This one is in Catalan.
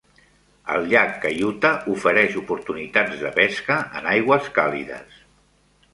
El llac Cayuta ofereix oportunitats de pesca en aigües càlides.